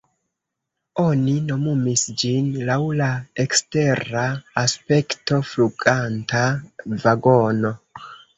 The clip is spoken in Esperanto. Oni nomumis ĝin laŭ la ekstera aspekto „fluganta vagono”.